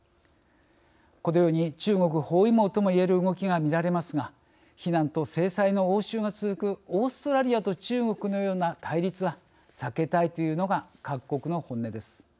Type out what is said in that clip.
このように中国包囲網ともいえる動きが見られますが非難と制裁の応酬が続くオーストラリアと中国のような対立は避けたいというのが各国の本音です。